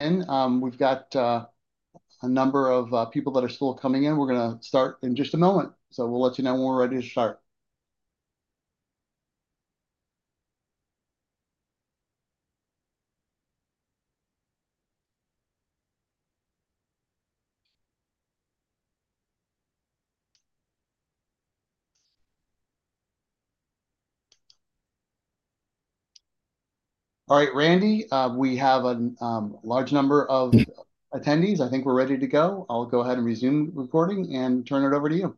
In, we've got a number of people that are still coming in. We're gonna start in just a moment, so we'll let you know when we're ready to start. All right, Randy, we have a large number of attendees. I think we're ready to go. I'll go ahead and resume recording and turn it over to you.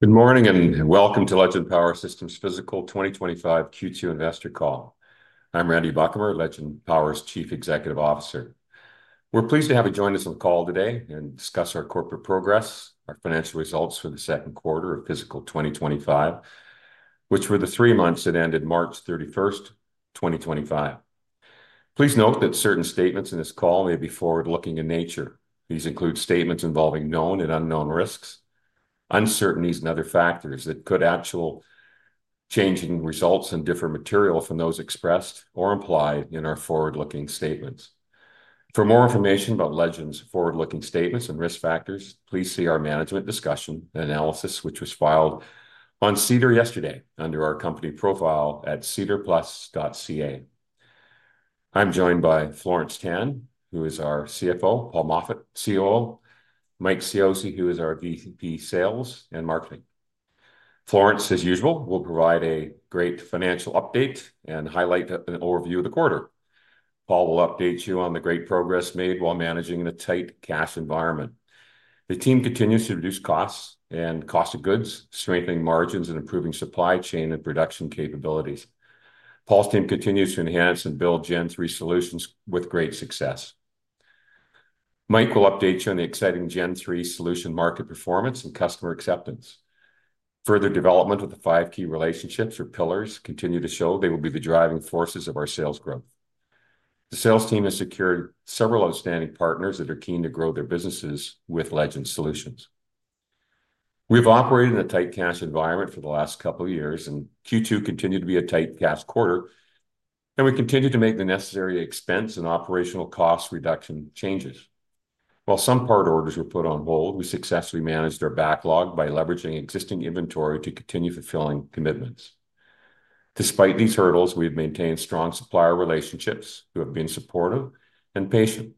Good morning and welcome to Legend Power Systems' fiscal 2025 Q2 investor call. I'm Randy Buchamer, Legend Power's Chief Executive Officer. We're pleased to have you join us on the call today and discuss our corporate progress, our financial results for the second quarter of fiscal 2025, which were the three months that ended March 31st, 2025. Please note that certain statements in this call may be forward-looking in nature. These include statements involving known and unknown risks, uncertainties, and other factors that could actually change results and differ materially from those expressed or implied in our forward-looking statements. For more information about Legend's forward-looking statements and risk factors, please see our management discussion and analysis, which was filed on SEDAR yesterday under our company profile at sedarplus.ca. I'm joined by Florence Tan, who is our CFO, Paul Moffat, COO, and Mike Cioce, who is our VP Sales and Marketing. Florence, as usual, will provide a great financial update and highlight an overview of the quarter. Paul will update you on the great progress made while managing in a tight cash environment. The team continues to reduce costs and cost of goods, strengthening margins and improving supply chain and production capabilities. Paul's team continues to enhance and build Gen3 solutions with great success. Mike will update you on the exciting Gen3 solution market performance and customer acceptance. Further development of the five key relationships, or pillars, continues to show they will be the driving forces of our sales growth. The sales team has secured several outstanding partners that are keen to grow their businesses with Legend's solutions. We've operated in a tight cash environment for the last couple of years, and Q2 continued to be a tight cash quarter, and we continued to make the necessary expense and operational cost reduction changes. While some part orders were put on hold, we successfully managed our backlog by leveraging existing inventory to continue fulfilling commitments. Despite these hurdles, we've maintained strong supplier relationships who have been supportive and patient.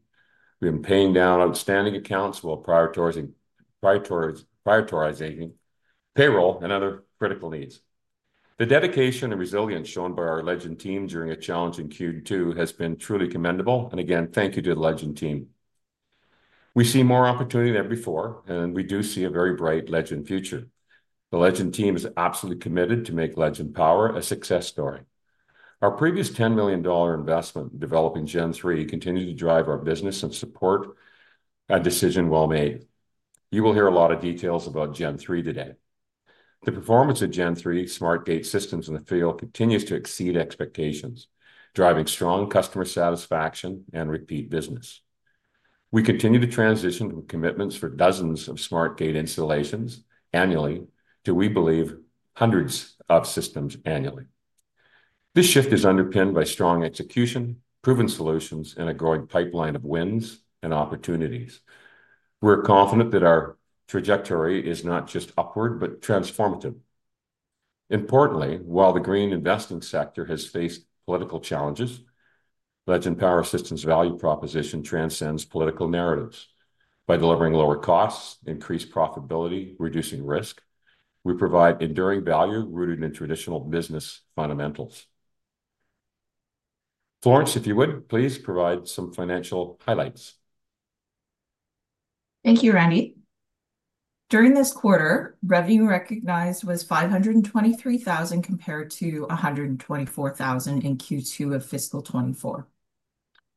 We've been paying down outstanding accounts while prioritizing payroll and other critical needs. The dedication and resilience shown by our Legend team during a challenging Q2 has been truly commendable, and again, thank you to the Legend team. We see more opportunity than before, and we do see a very bright Legend future. The Legend team is absolutely committed to make Legend Power a success story. Our previous $10 million investment in developing Gen3 continues to drive our business and support a decision well made. You will hear a lot of details about Gen3 today. The performance of Gen3 SmartGATE systems in the field continues to exceed expectations, driving strong customer satisfaction and repeat business. We continue to transition from commitments for dozens of SmartGATE installations annually to, we believe, hundreds of systems annually. This shift is underpinned by strong execution, proven solutions, and a growing pipeline of wins and opportunities. We're confident that our trajectory is not just upward but transformative. Importantly, while the green investing sector has faced political challenges, Legend Power Systems' value proposition transcends political narratives. By delivering lower costs, increased profitability, and reducing risk, we provide enduring value rooted in traditional business fundamentals. Florence, if you would, please provide some financial highlights. Thank you, Randy. During this quarter, revenue recognized was $523,000 compared to $124,000 in Q2 of fiscal 2024.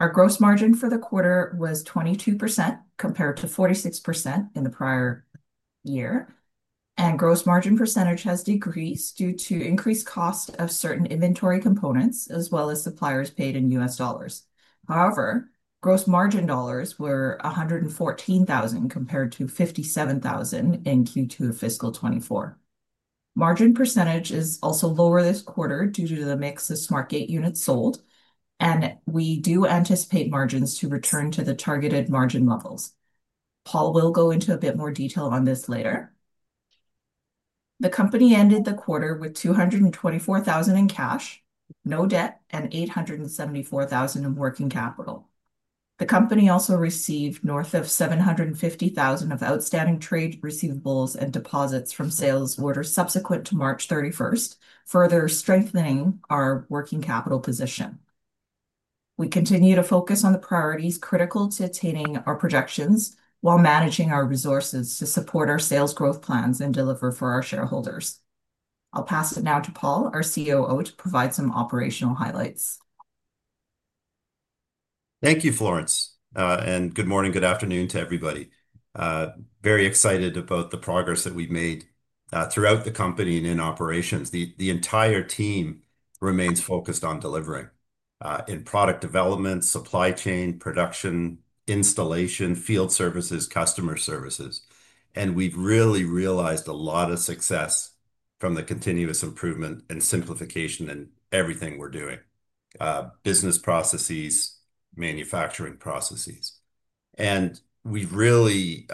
Our gross margin for the quarter was 22% compared to 46% in the prior year, and gross margin percentage has decreased due to increased cost of certain inventory components as well as suppliers paid in US dollars. However, gross margin dollars were $114,000 compared to $57,000 in Q2 of fiscal 2024. Margin percentage is also lower this quarter due to the mix of SmartGATE units sold, and we do anticipate margins to return to the targeted margin levels. Paul will go into a bit more detail on this later. The company ended the quarter with $224,000 in cash, no debt, and $874,000 in working capital. The company also received north of $750,000 of outstanding trade receivables and deposits from sales orders subsequent to March 31st, further strengthening our working capital position. We continue to focus on the priorities critical to attaining our projections while managing our resources to support our sales growth plans and deliver for our shareholders. I'll pass it now to Paul, our COO, to provide some operational highlights. Thank you, Florence, and good morning, good afternoon to everybody. Very excited about the progress that we've made, throughout the company and in operations. The entire team remains focused on delivering, in product development, supply chain, production, installation, field services, customer services, and we've really realized a lot of success from the continuous improvement and simplification in everything we're doing, business processes, manufacturing processes, and we've really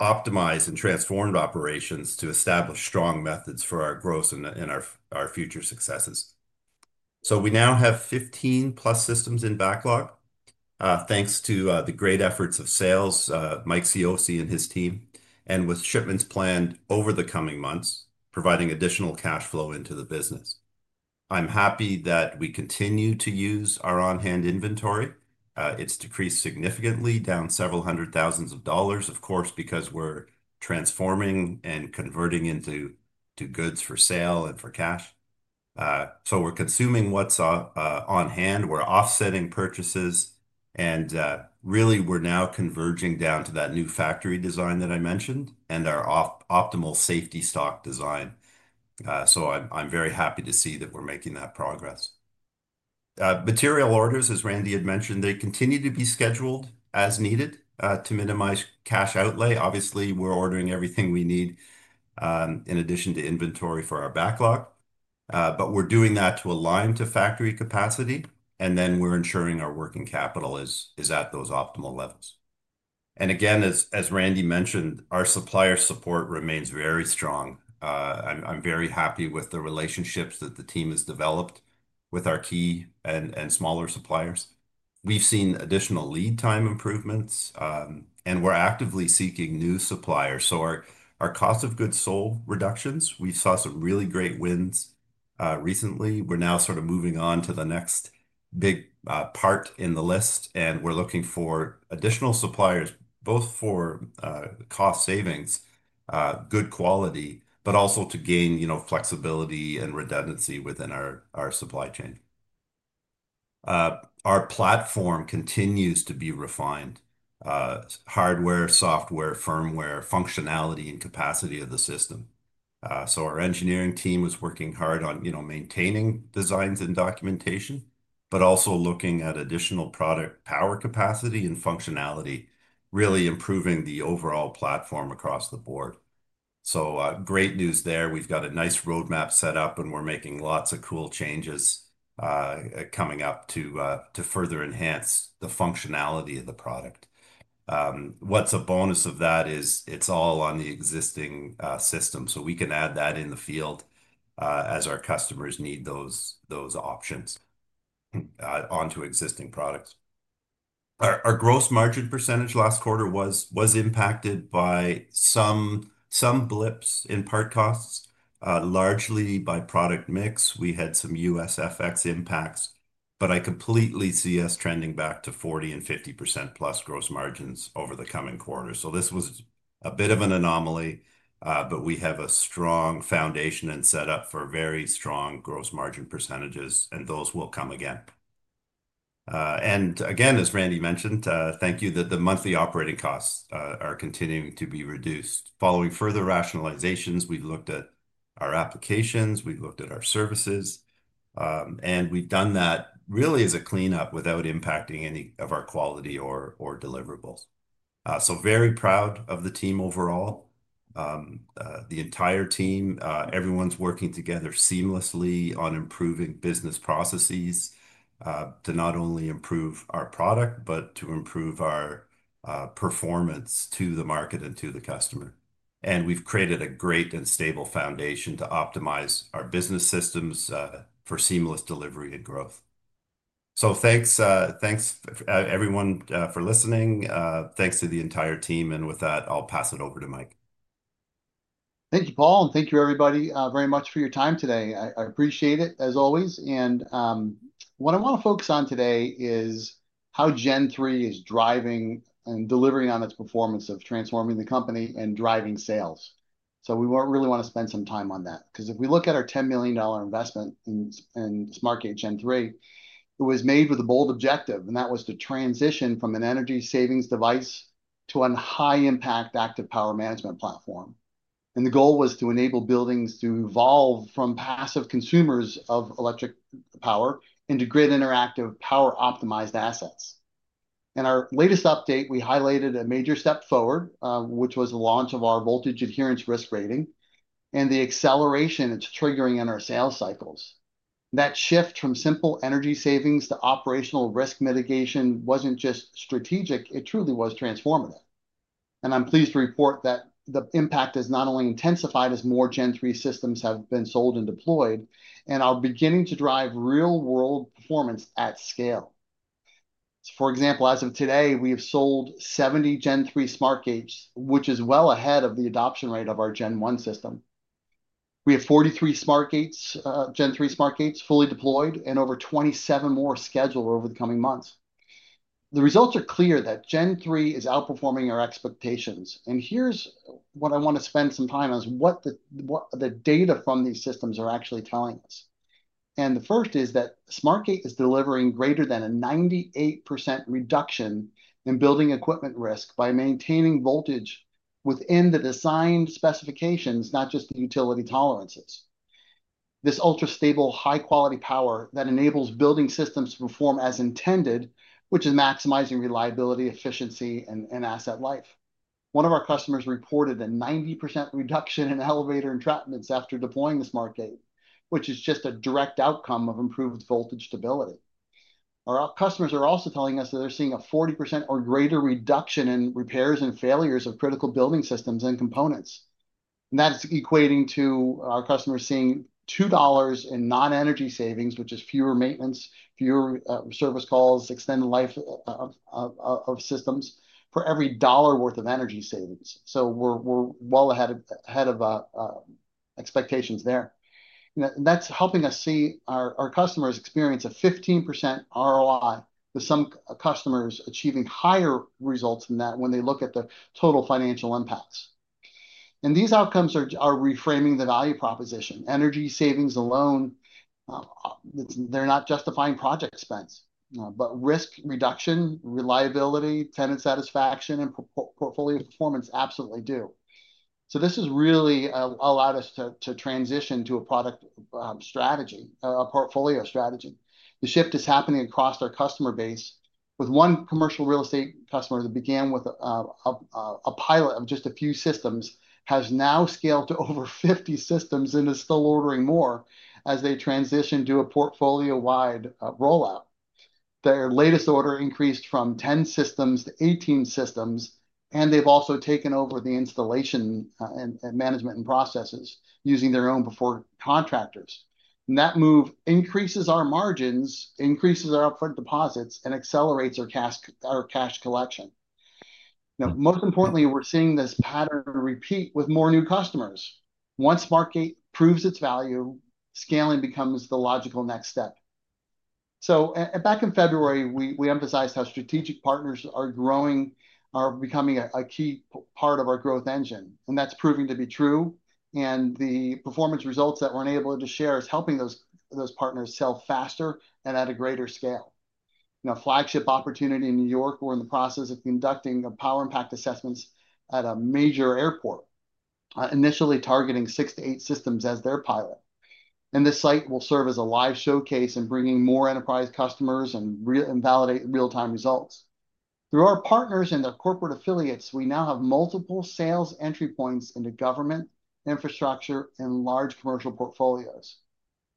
optimized and transformed operations to establish strong methods for our growth and our future successes. We now have 15-plus systems in backlog, thanks to the great efforts of sales, Mike Cioce and his team, and with shipments planned over the coming months, providing additional cash flow into the business. I'm happy that we continue to use our on-hand inventory. It's decreased significantly, down several hundred thousand dollars, of course, because we're transforming and converting into goods for sale and for cash. We're consuming what's on hand. We're offsetting purchases, and really, we're now converging down to that new factory design that I mentioned and our optimal safety stock design. I'm very happy to see that we're making that progress. Material orders, as Randy mentioned, continue to be scheduled as needed to minimize cash outlay. Obviously, we're ordering everything we need, in addition to inventory for our backlog, but we're doing that to align to factory capacity, and we're ensuring our working capital is at those optimal levels. Again, as Randy mentioned, our supplier support remains very strong. I'm very happy with the relationships that the team has developed with our key and smaller suppliers. We've seen additional lead time improvements, and we're actively seeking new suppliers. Our cost of goods sold reductions, we saw some really great wins, recently. We're now sort of moving on to the next big part in the list, and we're looking for additional suppliers, both for cost savings, good quality, but also to gain, you know, flexibility and redundancy within our supply chain. Our platform continues to be refined, hardware, software, firmware, functionality, and capacity of the system. Our engineering team is working hard on, you know, maintaining designs and documentation, but also looking at additional product power capacity and functionality, really improving the overall platform across the board. Great news there. We've got a nice roadmap set up, and we're making lots of cool changes, coming up to further enhance the functionality of the product. What's a bonus of that is it's all on the existing system, so we can add that in the field as our customers need those options onto existing products. Our gross margin percentage last quarter was impacted by some blips in part costs, largely by product mix. We had some USFX impacts, but I completely see us trending back to 40-50% plus gross margins over the coming quarter. This was a bit of an anomaly, but we have a strong foundation and setup for very strong gross margin percentages, and those will come again. As Randy mentioned, thank you, the monthly operating costs are continuing to be reduced. Following further rationalizations, we've looked at our applications, we've looked at our services, and we've done that really as a cleanup without impacting any of our quality or deliverables. Very proud of the team overall. The entire team, everyone's working together seamlessly on improving business processes, to not only improve our product but to improve our performance to the market and to the customer. We have created a great and stable foundation to optimize our business systems, for seamless delivery and growth. Thanks, thanks, everyone, for listening. Thanks to the entire team, and with that, I'll pass it over to Mike. Thank you, Paul, and thank you, everybody, very much for your time today. I appreciate it, as always. What I want to focus on today is how Gen3 is driving and delivering on its performance of transforming the company and driving sales. We really want to spend some time on that because if we look at our $10 million investment in SmartGATE Gen3, it was made with a bold objective, and that was to transition from an energy savings device to a high-impact active power management platform. The goal was to enable buildings to evolve from passive consumers of electric power into grid-interactive power-optimized assets. In our latest update, we highlighted a major step forward, which was the launch of our voltage adherence risk rating and the acceleration it is triggering in our sales cycles. That shift from simple energy savings to operational risk mitigation wasn't just strategic. It truly was transformative. I'm pleased to report that the impact has not only intensified as more Gen3 systems have been sold and deployed, and are beginning to drive real-world performance at scale. For example, as of today, we have sold 70 Gen3 SmartGATEs, which is well ahead of the adoption rate of our Gen1 system. We have 43 Gen3 SmartGATEs fully deployed and over 27 more scheduled over the coming months. The results are clear that Gen3 is outperforming our expectations. Here's what I want to spend some time on: what the, what the data from these systems are actually telling us. The first is that SmartGATE is delivering greater than a 98% reduction in building equipment risk by maintaining voltage within the design specifications, not just the utility tolerances. This ultra-stable, high-quality power enables building systems to perform as intended, which is maximizing reliability, efficiency, and asset life. One of our customers reported a 90% reduction in elevator entrapments after deploying the SmartGATE, which is just a direct outcome of improved voltage stability. Our customers are also telling us that they're seeing a 40% or greater reduction in repairs and failures of critical building systems and components. That is equating to our customers seeing $2 in non-energy savings, which is fewer maintenance, fewer service calls, extended life of systems for every dollar worth of energy savings. We're well ahead of expectations there. That's helping us see our customers experience a 15% ROI, with some customers achieving higher results than that when they look at the total financial impacts. These outcomes are reframing the value proposition. Energy savings alone, they're not justifying project spends, but risk reduction, reliability, tenant satisfaction, and portfolio performance absolutely do. This has really allowed us to transition to a product strategy, a portfolio strategy. The shift is happening across our customer base. One commercial real estate customer that began with a pilot of just a few systems has now scaled to over 50 systems and is still ordering more as they transition to a portfolio-wide rollout. Their latest order increased from 10 systems to 18 systems, and they've also taken over the installation and management and processes using their own preferred contractors. That move increases our margins, increases our upfront deposits, and accelerates our cash, our cash collection. Most importantly, we're seeing this pattern repeat with more new customers. Once SmartGATE proves its value, scaling becomes the logical next step. Back in February, we emphasized how strategic partners are growing, are becoming a key part of our growth engine, and that's proving to be true. The performance results that we're unable to share is helping those partners sell faster and at a greater scale. Flagship opportunity in New York, we're in the process of conducting power impact assessments at a major airport, initially targeting six to eight systems as their pilot. This site will serve as a live showcase in bringing more enterprise customers and re-validate real-time results. Through our partners and their corporate affiliates, we now have multiple sales entry points into government, infrastructure, and large commercial portfolios.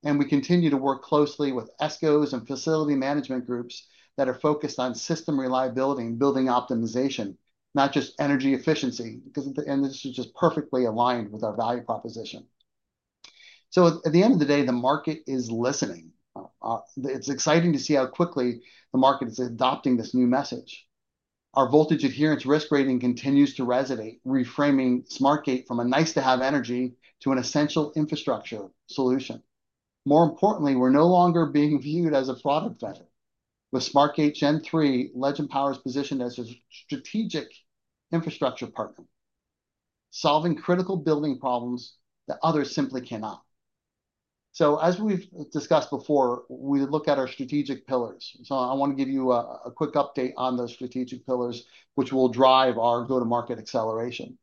We continue to work closely with ESCOs and facility management groups that are focused on system reliability and building optimization, not just energy efficiency, because at the end, this is just perfectly aligned with our value proposition. At the end of the day, the market is listening. It's exciting to see how quickly the market is adopting this new message. Our voltage adherence risk rating continues to resonate, reframing SmartGATE from a nice-to-have energy to an essential infrastructure solution. More importantly, we're no longer being viewed as a product vendor. With SmartGATE Gen3, Legend Power is positioned as a strategic infrastructure partner, solving critical building problems that others simply cannot. As we've discussed before, we look at our strategic pillars. I want to give you a quick update on those strategic pillars, which will drive our go-to-market acceleration.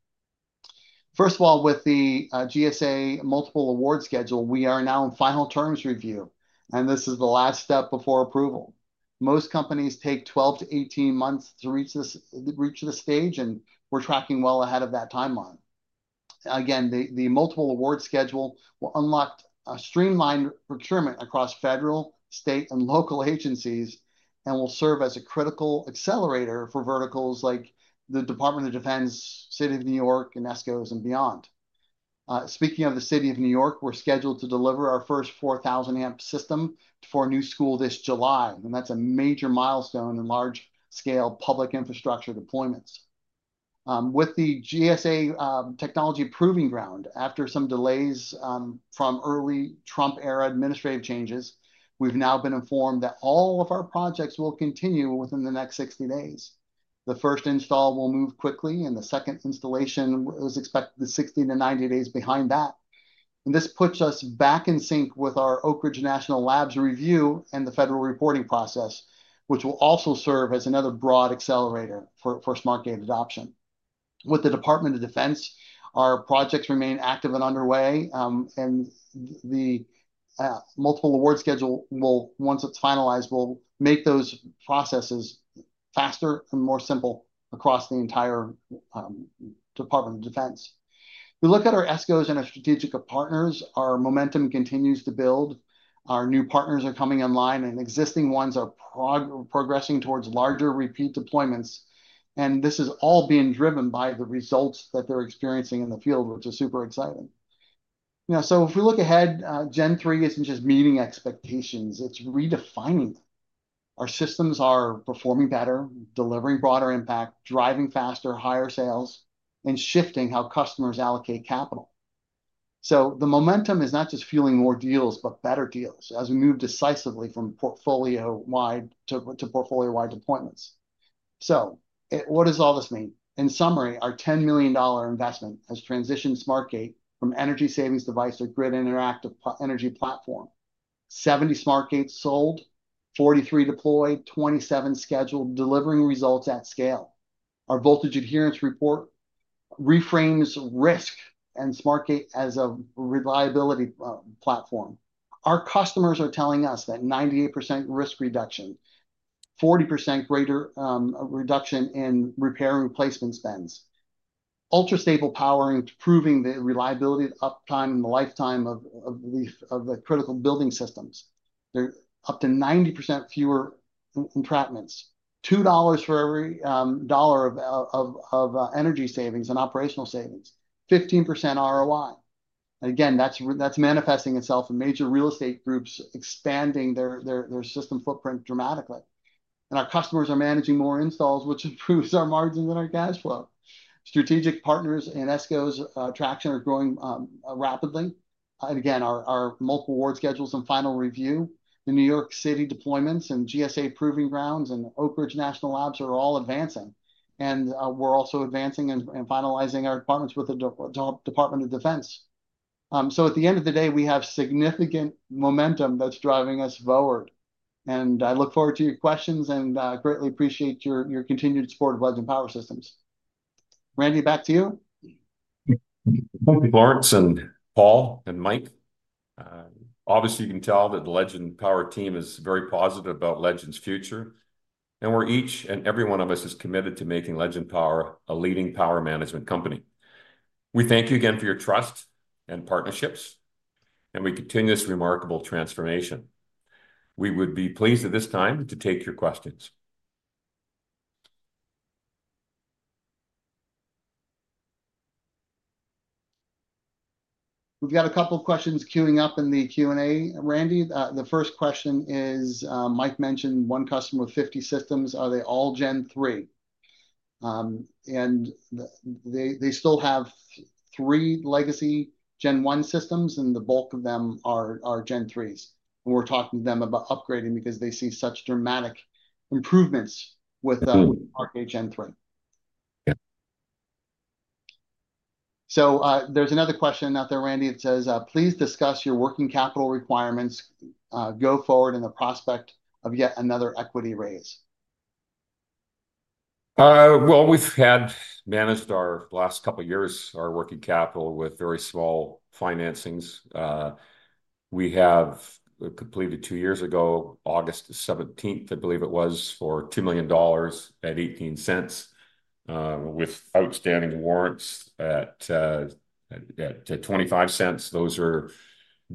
First of all, with the GSA multiple award schedule, we are now in final terms review, and this is the last step before approval. Most companies take 12 to 18 months to reach this stage, and we're tracking well ahead of that timeline. Again, the multiple award schedule will unlock a streamlined procurement across federal, state, and local agencies and will serve as a critical accelerator for verticals like the Department of Defense, City of New York, and ESCOs and beyond. Speaking of the City of New York, we're scheduled to deliver our first 4,000 amp system for a new school this July, and that's a major milestone in large-scale public infrastructure deployments. With the GSA, technology proving ground, after some delays from early Trump-era administrative changes, we've now been informed that all of our projects will continue within the next 60 days. The first install will move quickly, and the second installation is expected to be 60-90 days behind that. This puts us back in sync with our Oak Ridge National Labs review and the federal reporting process, which will also serve as another broad accelerator for SmartGATE adoption. With the Department of Defense, our projects remain active and underway, and the multiple award schedule, once it's finalized, will make those processes faster and more simple across the entire Department of Defense. We look at our ESCOs and our strategic partners, our momentum continues to build. Our new partners are coming online, and existing ones are progressing towards larger repeat deployments. This is all being driven by the results that they're experiencing in the field, which is super exciting. Now, if we look ahead, Gen3 isn't just meeting expectations; it's redefining them. Our systems are performing better, delivering broader impact, driving faster, higher sales, and shifting how customers allocate capital. The momentum is not just fueling more deals, but better deals, as we move decisively from portfolio-wide to portfolio-wide deployments. What does all this mean? In summary, our $10 million investment has transitioned SmartGATE from energy savings device to grid-interactive energy platform. 70 SmartGATEs sold, 43 deployed, 27 scheduled, delivering results at scale. Our voltage adherence report reframes risk and SmartGATE as a reliability platform. Our customers are telling us that 98% risk reduction, 40% greater reduction in repair and replacement spends, ultra-stable power and proving the reliability uptime and the lifetime of the critical building systems. They're up to 90% fewer entrapments, $2 for every dollar of energy savings and operational savings, 15% ROI. Again, that's manifesting itself in major real estate groups expanding their system footprint dramatically. Our customers are managing more installs, which improves our margins and our cash flow. Strategic partners and ESCOs' traction are growing rapidly. Our multiple award schedules in final review, the City of New York deployments, GSA proving grounds, and Oak Ridge National Labs are all advancing. We're also advancing and finalizing our departments with the Department of Defense. At the end of the day, we have significant momentum that's driving us forward. I look forward to your questions and greatly appreciate your continued support of Legend Power Systems. Randy, back to you. Thank you, Florence, Paul, and Mike. Obviously, you can tell that the Legend Power team is very positive about Legend's future, and each and every one of us is committed to making Legend Power a leading power management company. We thank you again for your trust and partnerships, and we continue this remarkable transformation. We would be pleased at this time to take your questions. We've got a couple of questions queuing up in the Q&A. Randy, the first question is, Mike mentioned one customer with 50 systems. Are they all Gen3? They still have three legacy Gen1 systems, and the bulk of them are Gen3s. We're talking to them about upgrading because they see such dramatic improvements with SmartGATE Gen3. Yeah. There's another question out there, Randy. It says, please discuss your working capital requirements, go forward in the prospect of yet another equity raise. We have managed our last couple of years, our working capital with very small financings. We have completed two years ago, August 17th, I believe it was, for $2 million at $0.18, with outstanding warrants at $0.25. Those are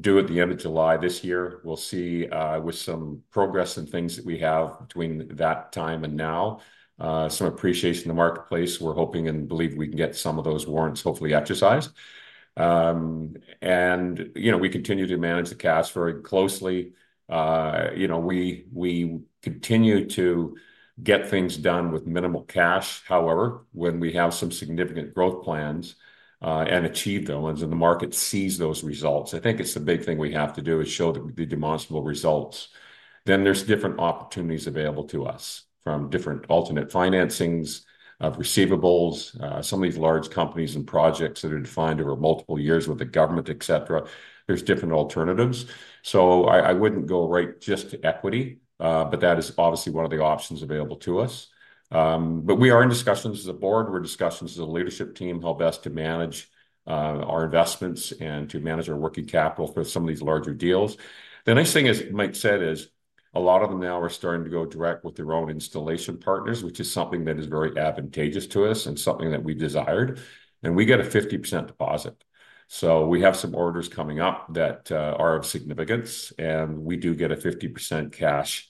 due at the end of July this year. We will see, with some progress and things that we have between that time and now, some appreciation in the marketplace. We are hoping and believe we can get some of those warrants hopefully exercised. And, you know, we continue to manage the cash very closely. You know, we continue to get things done with minimal cash. However, when we have some significant growth plans, and achieve those, and the market sees those results, I think the big thing we have to do is show the demonstrable results. There are different opportunities available to us from different alternate financings of receivables, some of these large companies and projects that are defined over multiple years with the government, et cetera. There are different alternatives. I would not go right just to equity, but that is obviously one of the options available to us. We are in discussions as a board. We are in discussions as a leadership team how best to manage our investments and to manage our working capital for some of these larger deals. The nice thing is, as Mike said, a lot of them now are starting to go direct with their own installation partners, which is something that is very advantageous to us and something that we desired. We get a 50% deposit. We have some orders coming up that are of significance, and we do get a 50% cash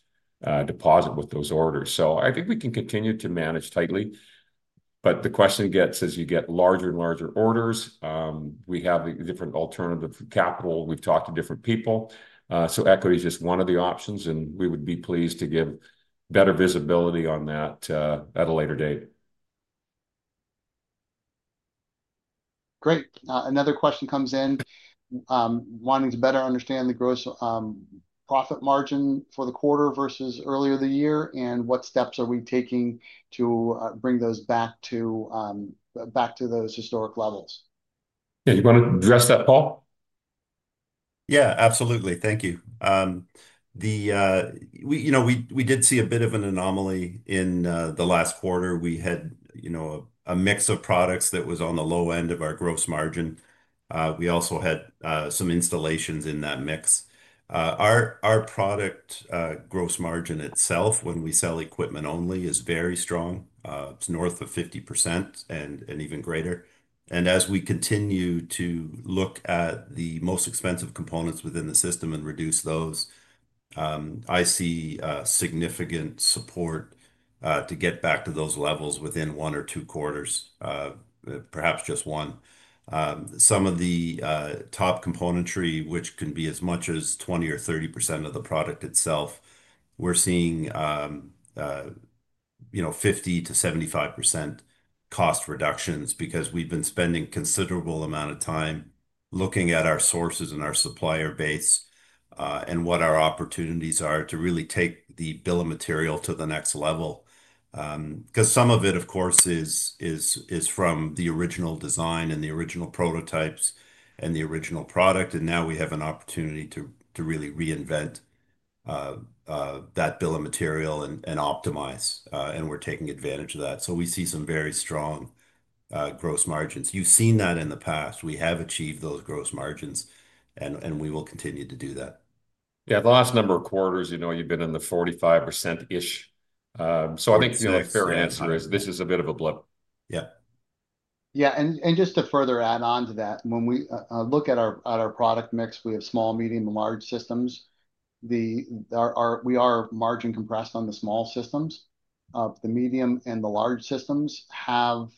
deposit with those orders. I think we can continue to manage tightly. The question gets as you get larger and larger orders, we have different alternative capital. We've talked to different people. Equity is just one of the options, and we would be pleased to give better visibility on that at a later date. Great. Another question comes in, wanting to better understand the gross, profit margin for the quarter versus earlier the year, and what steps are we taking to, bring those back to, back to those historic levels? Yeah, you want to address that, Paul? Yeah, absolutely. Thank you. We did see a bit of an anomaly in the last quarter. We had a mix of products that was on the low end of our gross margin. We also had some installations in that mix. Our product gross margin itself, when we sell equipment only, is very strong. It's north of 50% and even greater. As we continue to look at the most expensive components within the system and reduce those, I see significant support to get back to those levels within one or two quarters, perhaps just one. Some of the top componentry, which can be as much as 20% or 30% of the product itself, we're seeing, you know, 50%-75% cost reductions because we've been spending a considerable amount of time looking at our sources and our supplier base, and what our opportunities are to really take the bill of material to the next level. Because some of it, of course, is from the original design and the original prototypes and the original product, and now we have an opportunity to really reinvent that bill of material and optimize, and we're taking advantage of that. We see some very strong gross margins. You've seen that in the past. We have achieved those gross margins, and we will continue to do that. Yeah, the last number of quarters, you know, you've been in the 45%-ish. I think, you know, the fair answer is this is a bit of a blip. Yeah. Yeah, and just to further add on to that, when we look at our product mix, we have small, medium, and large systems. We are margin compressed on the small systems. The medium and the large systems have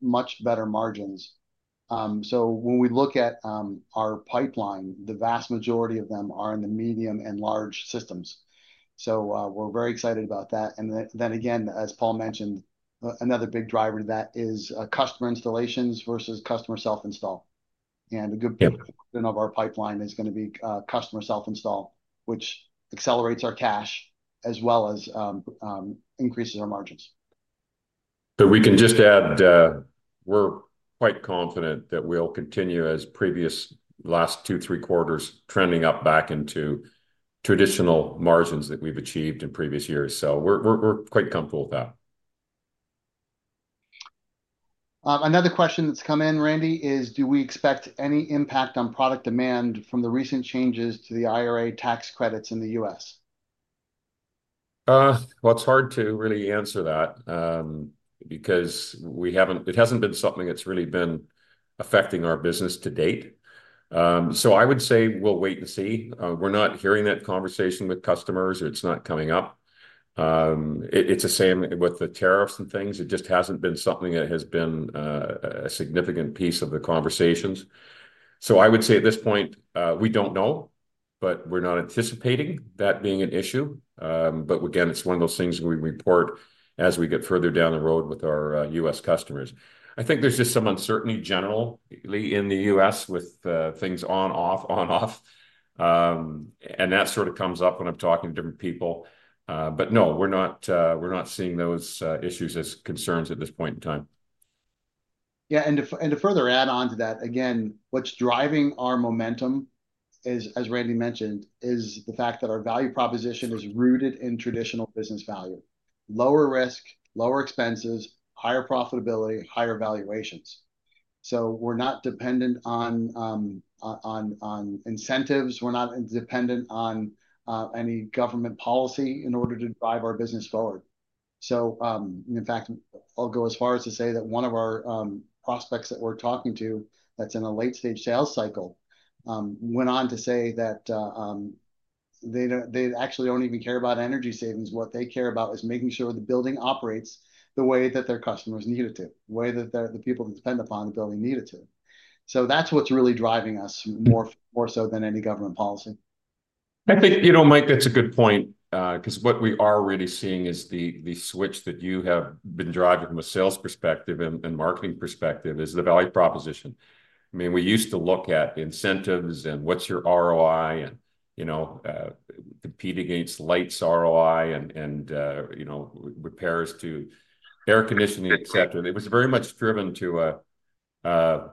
much better margins. When we look at our pipeline, the vast majority of them are in the medium and large systems. We're very excited about that. Then again, as Paul mentioned, another big driver of that is customer installations versus customer self-install. A good portion of our pipeline is going to be customer self-install, which accelerates our cash as well as increases our margins. We can just add, we're quite confident that we'll continue, as previous last two, three quarters, trending up back into traditional margins that we've achieved in previous years. We're quite comfortable with that. Another question that's come in, Randy, is do we expect any impact on product demand from the recent changes to the IRA tax credits in the U.S.? It is hard to really answer that, because we have not, it has not been something that has really been affecting our business to date. I would say we will wait and see. We are not hearing that conversation with customers. It is not coming up. It is the same with the tariffs and things. It just has not been something that has been a significant piece of the conversations. I would say at this point, we do not know, but we are not anticipating that being an issue. Again, it is one of those things we report as we get further down the road with our U.S. customers. I think there is just some uncertainty generally in the U.S. with things on, off, on, off. That sort of comes up when I am talking to different people. No, we are not, we are not seeing those issues as concerns at this point in time. Yeah, and to further add on to that, again, what's driving our momentum is, as Randy mentioned, is the fact that our value proposition is rooted in traditional business value: lower risk, lower expenses, higher profitability, higher valuations. We're not dependent on incentives. We're not dependent on any government policy in order to drive our business forward. In fact, I'll go as far as to say that one of our prospects that we're talking to that's in a late-stage sales cycle went on to say that they don't, they actually don't even care about energy savings. What they care about is making sure the building operates the way that their customers need it to, the way that the people that depend upon the building need it to. That's what's really driving us more, more so than any government policy. I think, you know, Mike, that's a good point, because what we are really seeing is the switch that you have been driving from a sales perspective and marketing perspective is the value proposition. I mean, we used to look at incentives and what's your ROI and, you know, compete against lights ROI and, you know, repairs to air conditioning, et cetera. It was very much driven to an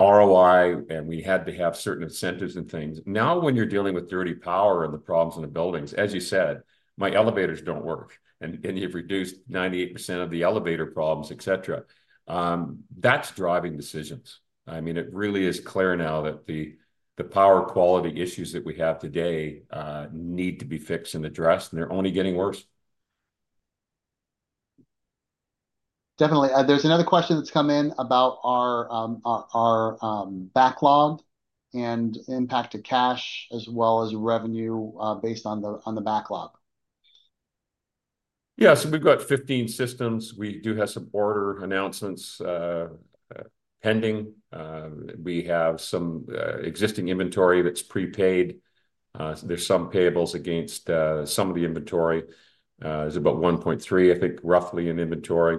ROI, and we had to have certain incentives and things. Now, when you're dealing with dirty power and the problems in the buildings, as you said, my elevators don't work, and you've reduced 98% of the elevator problems, et cetera. That's driving decisions. I mean, it really is clear now that the power quality issues that we have today need to be fixed and addressed, and they're only getting worse. Definitely. There's another question that's come in about our backlog and impact to cash as well as revenue, based on the backlog. Yeah, so we've got 15 systems. We do have some order announcements pending. We have some existing inventory that's prepaid. There's some payables against some of the inventory. There's about $1.3 million, I think, roughly in inventory.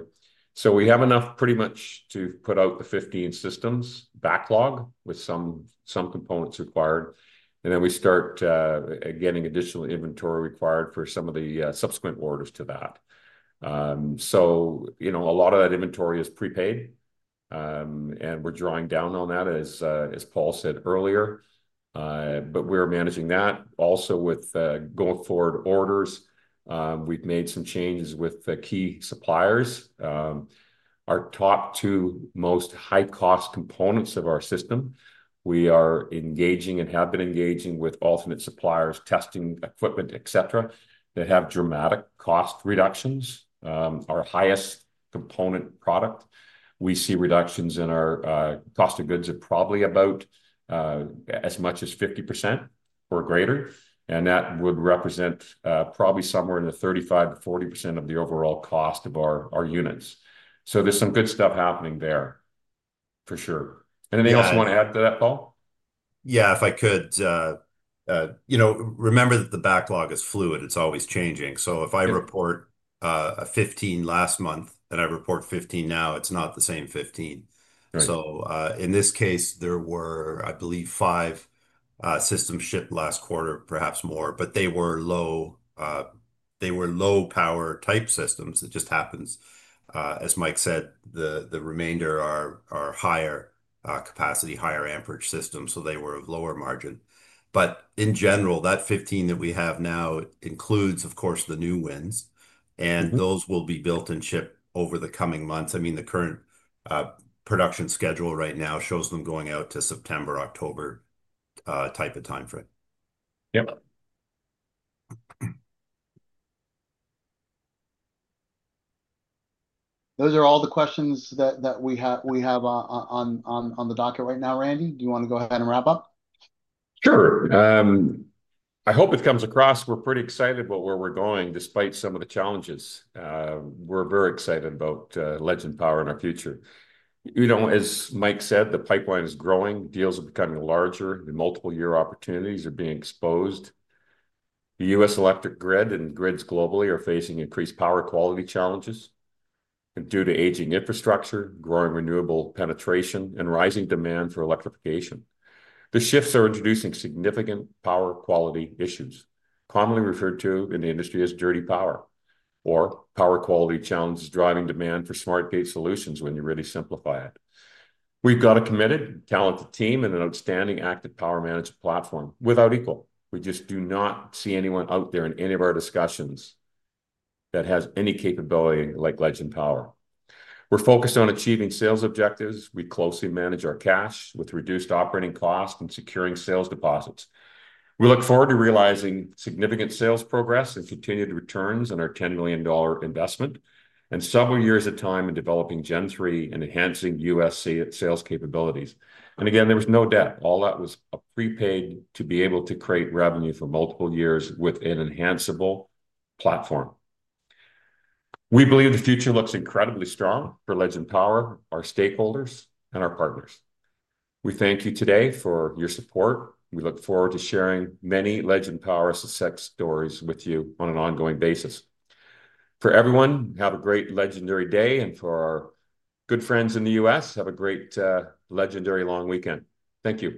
We have enough pretty much to put out the 15 systems backlog with some components required. We start getting additional inventory required for some of the subsequent orders to that. You know, a lot of that inventory is prepaid, and we're drawing down on that as Paul said earlier. We're managing that also with going forward orders. We've made some changes with the key suppliers. Our top two most high-cost components of our system, we are engaging and have been engaging with alternate suppliers, testing equipment, et cetera, that have dramatic cost reductions. Our highest component product, we see reductions in our cost of goods of probably about, as much as 50% or greater. That would represent probably somewhere in the 35-40% of the overall cost of our units. There is some good stuff happening there for sure. I also want to add to that, Paul. Yeah, if I could, you know, remember that the backlog is fluid. It's always changing. If I report 15 last month and I report 15 now, it's not the same 15. In this case, there were, I believe, five systems shipped last quarter, perhaps more, but they were low, they were low-power type systems. It just happens, as Mike said, the remainder are higher capacity, higher amperage systems. They were of lower margin. In general, that 15 that we have now includes, of course, the new wins, and those will be built and shipped over the coming months. I mean, the current production schedule right now shows them going out to September, October type of timeframe. Yep. Those are all the questions that we have on the docket right now. Randy, do you want to go ahead and wrap up? Sure. I hope it comes across. We're pretty excited about where we're going despite some of the challenges. We're very excited about Legend Power in our future. You know, as Mike said, the pipeline is growing, deals are becoming larger, and multiple-year opportunities are being exposed. The U.S. electric grid and grids globally are facing increased power quality challenges due to aging infrastructure, growing renewable penetration, and rising demand for electrification. The shifts are introducing significant power quality issues, commonly referred to in the industry as dirty power or power quality challenges driving demand for SmartGATE solutions when you really simplify it. We've got a committed, talented team and an outstanding active power management platform without equal. We just do not see anyone out there in any of our discussions that has any capability like Legend Power. We're focused on achieving sales objectives. We closely manage our cash with reduced operating costs and securing sales deposits. We look forward to realizing significant sales progress and continued returns on our $10 million investment and several years of time in developing Gen3 and enhancing USC sales capabilities. There was no debt. All that was prepaid to be able to create revenue for multiple years with an enhanceable platform. We believe the future looks incredibly strong for Legend Power, our stakeholders, and our partners. We thank you today for your support. We look forward to sharing many Legend Power success stories with you on an ongoing basis. For everyone, have a great legendary day, and for our good friends in the U.S., have a great, legendary long weekend. Thank you.